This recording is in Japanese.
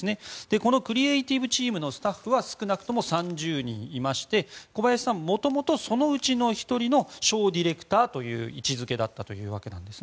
このクリエーティブチームのスタッフは少なくとも３０人いまして小林さんはもともとそのうちの１人のショーディレクターという位置づけだったそうです。